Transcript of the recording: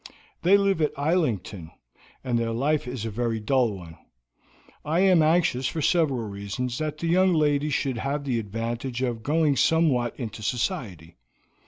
They live at Islington, and their life is a very dull one. I am anxious, for several reasons, that the young lady should have the advantage of going somewhat into society.